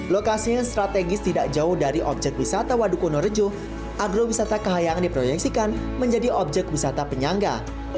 lokasi yang strategis tidak jauh dari objek wisata waduk wonorejo agrowisata kehayangan diproyeksikan menjadi objek wisata penyangga